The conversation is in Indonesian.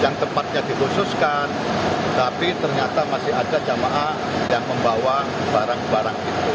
yang tempatnya dikhususkan tapi ternyata masih ada jamaah yang membawa barang barang itu